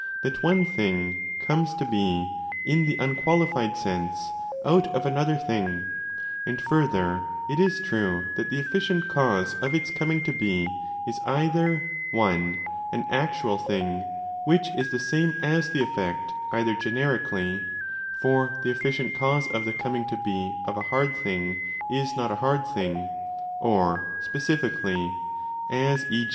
that one thing 'comes to be'* (in the unqualified sense) out of another thing: and further it is true that the efficient cause of its coming to be is either (i) an actual thing (which is the same as the effect either generically —for the efficient cause of the coming to be of a hard thing is not a hard thing*—or sfeczfically, as e.